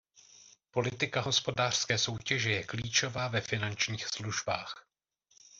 Politika hospodářské soutěže je klíčová ve finančních službách.